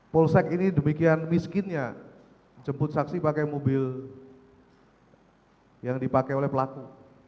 polsek ini demikian miskinnya jemput saksi pakai mobil yang dipakai oleh pelaku